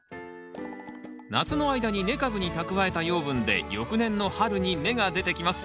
夏の間に根株に蓄えた養分で翌年の春に芽が出てきます。